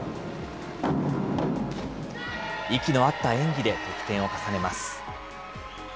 息の合った演技で得点を重ねます。